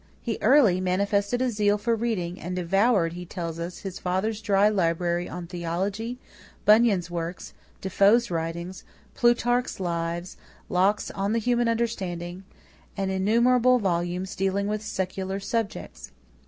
He early manifested a zeal for reading, and devoured, he tells us, his father's dry library on theology, Bunyan's works, Defoe's writings, Plutarch's Lives, Locke's On the Human Understanding, and innumerable volumes dealing with secular subjects.